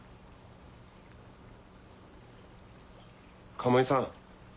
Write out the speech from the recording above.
鴨居さん。